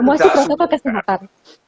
promo sih prosesnya kok kesempatan